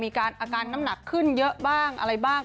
อาการน้ำหนักขึ้นเยอะบ้างอะไรบ้าง